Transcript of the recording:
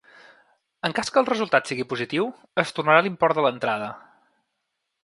En cas que el resultat sigui positiu, es tornarà l’import de l’entrada.